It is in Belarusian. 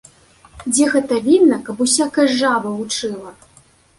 Дзе гэта відана, каб усякая жаба вучыла!